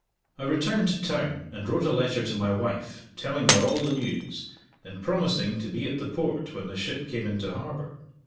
I returned to town, and wrote a letter to my wife, telling her all the news, and promising to be at the Port when the ship came into harbor.